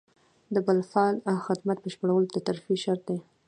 د بالفعل خدمت بشپړول د ترفیع شرط دی.